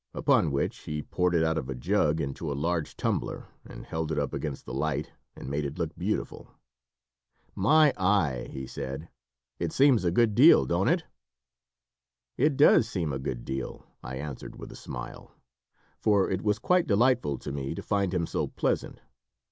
Upon which he poured it out of a jug into a large tumbler, and held it up against the light, and made it look beautiful. "My eye!" he said. "It seems a good deal, don't it?" "It does seem a good deal," I answered with a smile. For it was quite delightful to me to find him so pleasant.